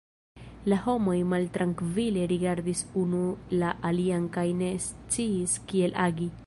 La homoj maltrankvile rigardis unu la alian kaj ne sciis kiel agi.